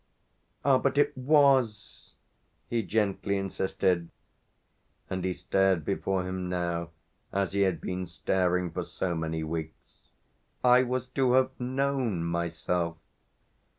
"Ah but it was," he gently insisted. And he stared before him now as he had been staring for so many weeks. "I was to have known myself."